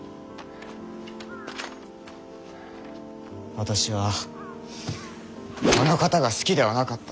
私はあの方が好きではなかった。